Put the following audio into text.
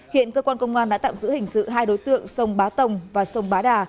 hiện cơ quan công an đã tạm giữ hình sự hai đối tượng sông bá tồng và sông bá đà